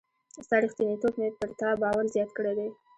ستا ریښتینتوب مي پر تا باور زیات کړی دی.